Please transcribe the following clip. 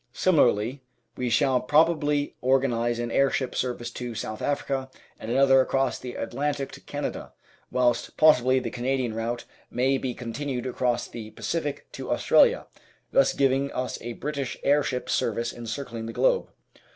Similarly, we shall probably organise an airship service to South Africa and another across the Atlantic to Canada, whilst possibly the Canadian route may be continued across the Pacific to Australia, thus giving us a British airship service encircling the globe.